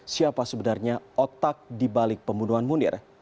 siapa sebenarnya otak dibalik pembunuhan munir